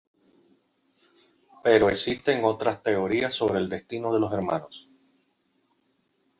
Pero existen otras teorías sobre el destino de los hermanos.